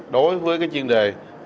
đối với chuyên đề